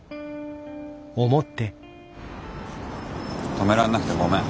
泊めらんなくてごめん。